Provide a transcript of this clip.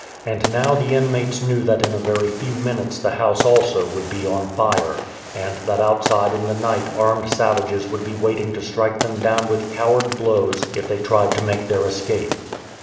And now the inmates knew that in a very few minutes the house also would be on fire, and that outside in the night armed savages would be waiting to strike them dov/n with coward blows if they tried to make their escape.